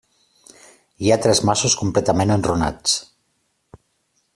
Hi ha tres masos completament enrunats.